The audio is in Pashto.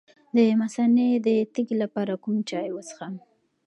د مثانې د تیږې لپاره کوم چای وڅښم؟